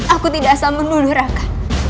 aku tidak asal menuduh raka